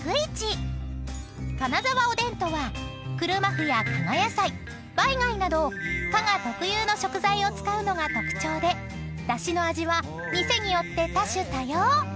［金沢おでんとは車麩や加賀野菜バイ貝など加賀特有の食材を使うのが特徴でだしの味は店によって多種多様］